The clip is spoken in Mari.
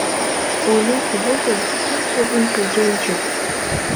— Олю, возо: чинче-вунчо жемчуг.